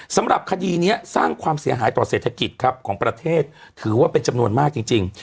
สำหรับคดีนี้สร้างความเสียหายต่อเศรษฐกิจครับของประเทศถือว่าเป็นจำนวนมากจริง